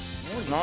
何？